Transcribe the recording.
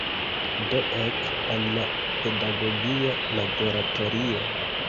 Do ek al la pedagogia laboratorio.